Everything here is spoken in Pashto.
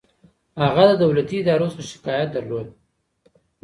هغه د دولتي ادارو څخه شکايت درلود.